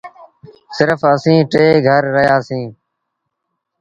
سرڦ اَسيٚݩ ٽي گھر رهيآ سيٚݩ۔